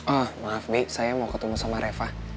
oh maaf bi saya mau ketemu sama reva